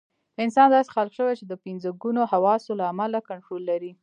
انسان داسې خلق شوی چې د پنځه ګونو حواسو له امله کنټرول لري.